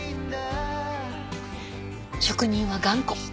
職人は頑固。